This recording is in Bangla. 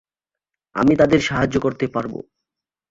আমি তাদের সাহায্য করতে পারব।